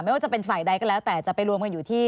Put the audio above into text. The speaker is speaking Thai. ไม่ว่าจะเป็นฝ่ายใดก็แล้วแต่จะไปรวมกันอยู่ที่